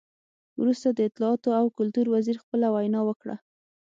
وروسته د اطلاعاتو او کلتور وزیر خپله وینا وکړه.